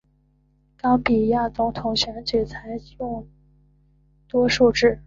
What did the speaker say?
冈比亚总统选举采用多数制。